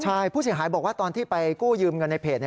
ใช่ผู้เสียหายบอกว่าตอนที่ไปกู้ยืมเงินในเพจ